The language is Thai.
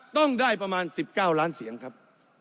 ต้องได้ประมาณ๑๙ล้านเสียงครับ